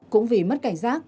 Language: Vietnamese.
cũng vì mất cảnh giác